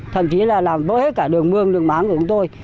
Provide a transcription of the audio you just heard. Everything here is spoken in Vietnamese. thậm chí là làm vỡ hết cả đường mương đường máng của chúng tôi